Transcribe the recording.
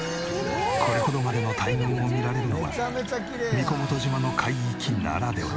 これほどまでの大群を見られるのは神子元島の海域ならでは！